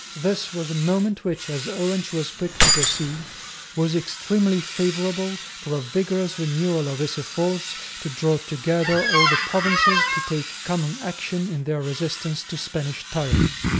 This was a moment which, as Orange was quick to perceive, was extremely favourable for a vigorous renewal of his efforts to draw together all the provinces to take common action in their resistance to Spanish tyranny.